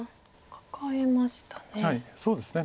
カカえましたね。